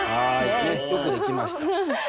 よくできました。